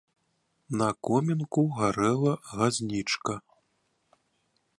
На комінку гарэла газнічка.